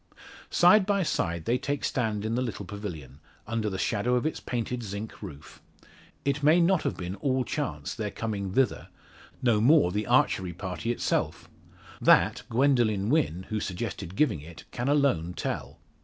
Side by side they take stand in the little pavilion, under the shadow of its painted zinc roof. It may not have been all chance their coming thither no more the archery party itself. That Gwendoline Wynn, who suggested giving it, can alone tell.